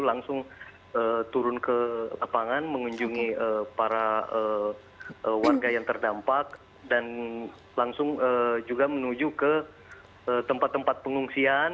langsung turun ke lapangan mengunjungi para warga yang terdampak dan langsung juga menuju ke tempat tempat pengungsian